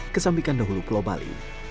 kesambikan dahulu pulau bali